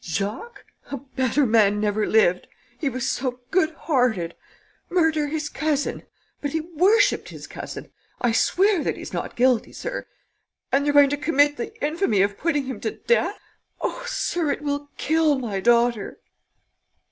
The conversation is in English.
Jacques? A better man never lived. He was so good hearted! Murder his cousin? But he worshipped his cousin! I swear that he's not guilty, sir! And they are going to commit the infamy of putting him to death? Oh, sir, it will kill my daughter!"